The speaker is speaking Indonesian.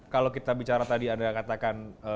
kalau kita bicara tadi anda katakan